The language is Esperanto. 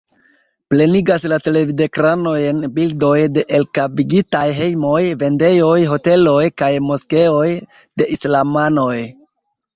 Plenigas la televidekranojn bildoj de elkavigitaj hejmoj, vendejoj, hoteloj kaj moskeoj de islamanoj.